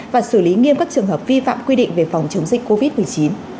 và xử lý nghiêm các trường hợp vi phạm quy định về phòng chống dịch covid một mươi chín